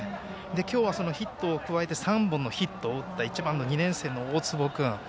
今日は、そのヒットに加えて３本のヒットを打った１番の２年生の大坪君。